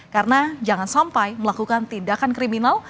karena jangan sampai melakukan tindakan kriminal